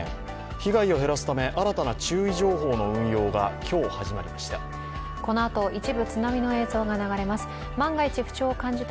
被害を減らすため新たな注意情報の運用が今日始まりました。